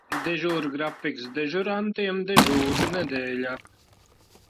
Dežūrgrafiks dežurantiem dežūru nedēļā.